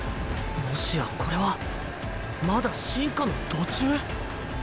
もしやこれはまだ進化の途中？